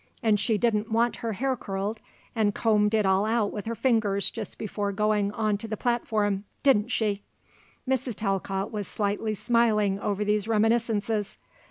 And she didn't want her hair curled, and combed it all out with her fingers just before going on to the platform didn't she?" Mrs. Talcott was slightly smiling over these reminiscences.